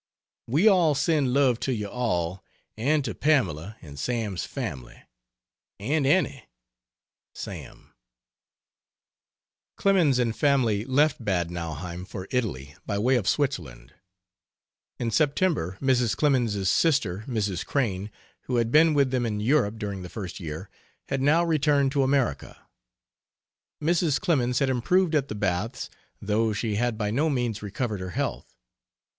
We all send love to you all and to Pamela and Sam's family, and Annie. SAM Clemens and family left Bad Nauheim for Italy by way of Switzerland. In September Mrs. Clemens's sister, Mrs. Crane, who had been with them in Europe during the first year, had now returned to America. Mrs. Clemens had improved at the baths, though she had by no means recovered her health.